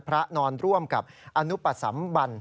พระนอนร่วมกับอนุปสรรค์สัมบัน